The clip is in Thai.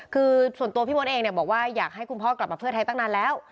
คือส่วนตัวพี่มดเองบอกว่าอยากให้คุณพ่อกลับมาเพื่อไทยตั้งนานแล้ว